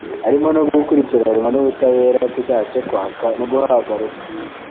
arimo no gukurikiranwa n’ubutabera ku cyaha cyo kwaka no guhabwa ruswa